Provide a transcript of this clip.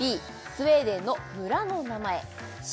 スウェーデンの村の名前Ｃ